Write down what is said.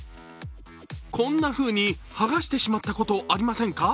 こんなふうに、剥がしてしまったことありませんか？